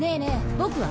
僕は？